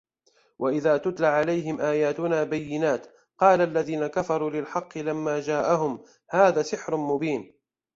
وَإِذَا تُتْلَى عَلَيْهِمْ آيَاتُنَا بَيِّنَاتٍ قَالَ الَّذِينَ كَفَرُوا لِلْحَقِّ لَمَّا جَاءَهُمْ هَذَا سِحْرٌ مُبِينٌ